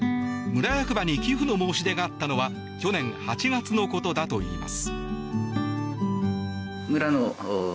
村役場に寄付の申し出があったのは去年８月のことだといいます。